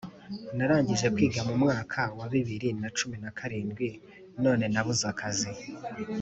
Narangije kwiga mumwaka wa bibiri na cumi na karindwi none nabuze akazi